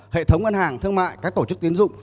hệ thống ngân hàng thương mại các tổ chức tiến dụng